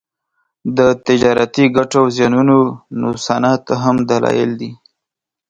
د تجارتي ګټو او زیانونو نوسانات هم دلایل دي